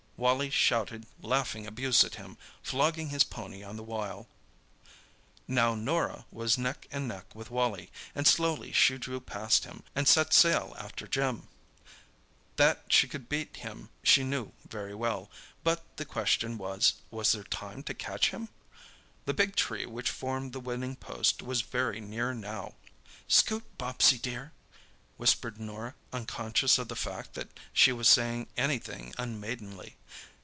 Wally shouted laughing abuse at him, flogging his pony on the while. Now Norah was neck and neck with Wally, and slowly she drew past him and set sail after Jim. That she could beat him she knew very well, but the question was, was there time to catch him? The big tree which formed the winning post was very near now. "Scoot, Bobsie, dear!" whispered Norah unconscious of the fact that she was saying anything unmaidenly.